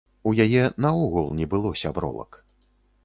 У яе наогул не было сябровак.